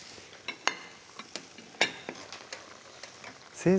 先生